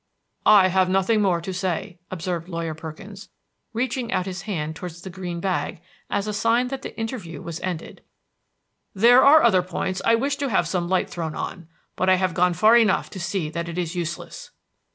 "I have nothing more to say," observed Lawyer Perkins, reaching out his hand towards the green bag, as a sign that the interview was ended. "There were other points I wished to have some light thrown on; but I have gone far enough to see that it is useless."